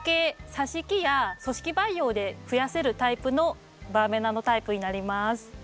さし木や組織培養でふやせるタイプのバーベナのタイプになります。